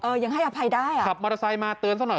ยังให้อภัยได้อ่ะขับมอเตอร์ไซค์มาเตือนซะหน่อย